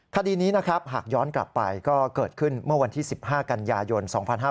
คดีนี้นะครับหากย้อนกลับไปก็เกิดขึ้นเมื่อวันที่๑๕กันยายน๒๕๕๙